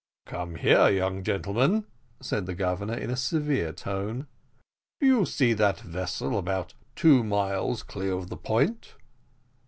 "Come here, young gentlemen," said the Governor, in a severe tone; "do you see that vessel about two miles clear of the port?